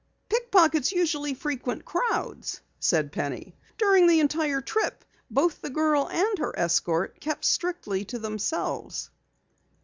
"Pickpockets usually frequent crowds," said Penny. "During the entire trip both the girl and her escort kept strictly to themselves."